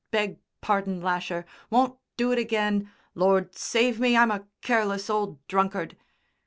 Beg pardon, Lasher! Won't do it again! Lord save me, I'm a careless old drunkard!"